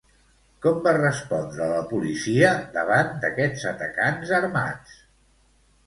Com va respondre la policia davant d'aquests atacants armats?